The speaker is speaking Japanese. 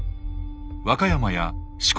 和歌山や四国